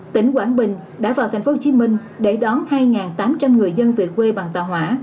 tỉnh quảng bình đã vào tp hcm để đón hai tám trăm linh người dân về quê bằng tàu hỏa